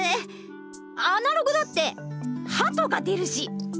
アナログだってハトが出るし！